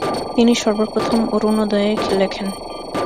তিনি সর্বপ্রথম অরুনোদয়ে লেখেন।